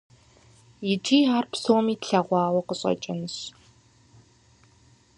Икӏи ар псоми тлъэгъуауэ къыщӏэкӏынщ.